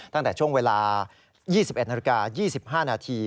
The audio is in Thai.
ตั้งแต่ช่วงเวลา๒๑นาฬิกา๒๕นาที